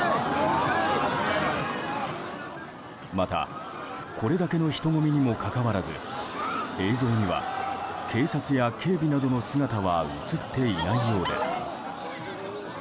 また、これだけの人混みにもかかわらず映像には警察や警備などの姿は映っていないようです。